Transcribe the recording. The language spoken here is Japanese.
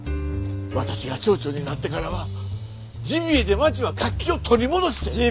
私が町長になってからはジビエで町は活気を取り戻して。